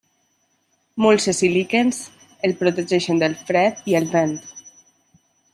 Molses i líquens el protegeixen del fred i el vent.